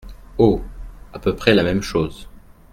Oh ! à peu près la même chose.